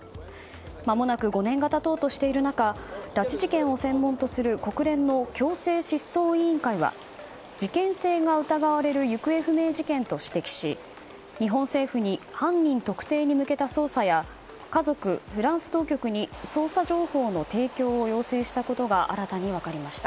まもなく５年が経とうとしている中拉致事件を専門とする国連の強制失踪委員会は事件性が疑われる行方不明事件と指摘し日本政府に犯人特定に向けた捜査や家族、フランス当局に捜査情報の提供を要請したことが新たに分かりました。